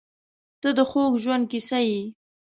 • ته د خوږ ژوند کیسه یې.